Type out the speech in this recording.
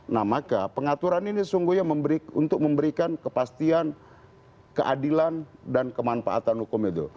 nah maka pengaturan ini sungguhnya untuk memberikan kepastian keadilan dan kemanfaatan hukum itu